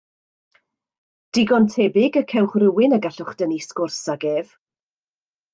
Digon tebyg y cewch rywun y gallwch dynnu sgwrs ag ef.